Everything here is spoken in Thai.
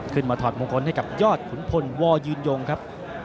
ถอดมงคลให้กับยอดขุนพลวอยืนยงครับ